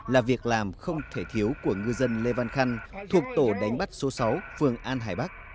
là việc làm không thể thiếu của ngư dân lê văn khăn thuộc tổ đánh bắt số sáu phường an hải bắc